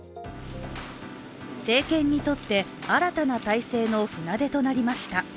政権にとって新たな体制の船出となりました。